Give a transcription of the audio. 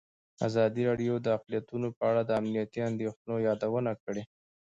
ازادي راډیو د اقلیتونه په اړه د امنیتي اندېښنو یادونه کړې.